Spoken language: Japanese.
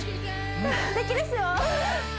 すてきですよ